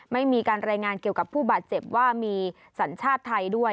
ไม่มีการรายงานเกี่ยวกับผู้บาดเจ็บว่ามีสัญชาติไทยด้วย